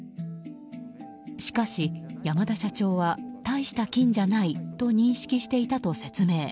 しかし、山田社長は大した菌じゃないと認識していたと説明。